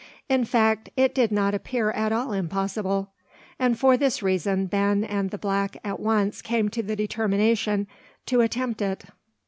In fact, it did not appear at all impossible; and for this reason Ben and the black at once came to the determination to attempt it.